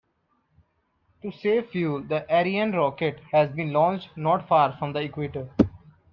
To save fuel, the Ariane rocket has been launched not far from the equator.